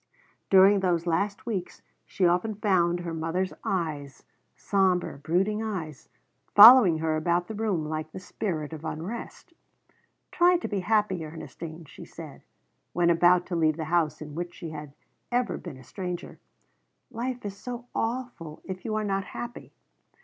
During those last weeks she often found her mother's eyes sombre, brooding eyes following her about the room like the spirit of unrest. "Try to be happy, Ernestine," she said, when about to leave the house in which she had ever been a stranger. "Life is so awful if you are not happy."